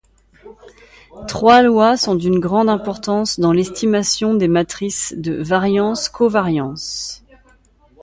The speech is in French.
Trois lois sont d'une grande importance dans l'estimation des matrices de variance-covariance.